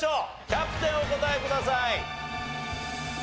キャプテンお答えください。